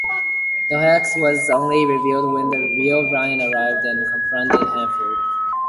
The hoax was only revealed when the real Bryan arrived and confronted Hanford.